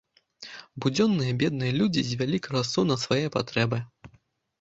Будзённыя бедныя людзі звялі красу на свае патрэбы.